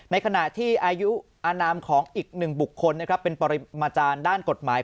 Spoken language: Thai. ในขณะที่อายุอนามของอีกหนึ่งบุคคลนะครับเป็นปริมาจารย์ด้านกฎหมาย